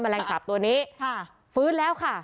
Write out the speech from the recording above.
แมลงสาปตัวนี้ฟื้นแล้วค่ะ